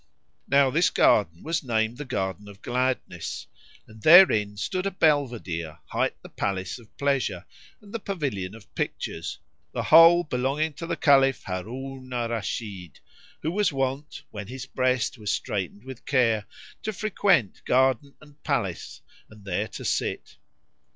Now this garden was named the Garden of Gladness[FN#42] and therein stood a belvedere hight the Palace of Pleasure and the Pavilion of Pictures, the whole belonging to the Caliph Harun al Rashid who was wont, when his breast was straitened with care, to frequent garden and palace and there to sit.